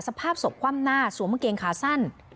สภาพสบคว่ำหน้าสวมเมืองเกงคาสั้น